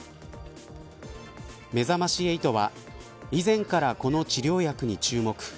めざまし８は以前からこの治療薬に注目。